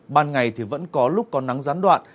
ban ngày thì vẫn có lúc có nắng gián đoạn